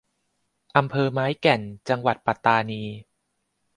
อำเภอไม้แก่น จังหวัดปัตตานี